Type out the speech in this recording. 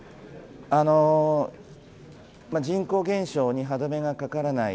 人口減少に歯止めがかからない